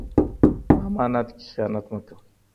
په امانت کې خیانت مه کوئ.